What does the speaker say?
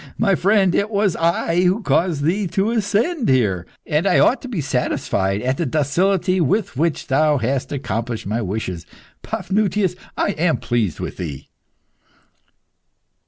My friend, it was I who caused thee to ascend here, and I ought to be satisfied at the docility with which thou hast accomplished my wishes. Paphnutius, I am pleased with thee."